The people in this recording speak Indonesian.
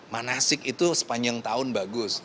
manasik itu sepanjang tahun bagus